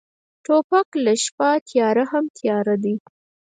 توپک له شپه تیاره هم تیاره دی.